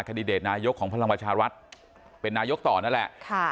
ดิเดตนายกของพลังประชารัฐเป็นนายกต่อนั่นแหละ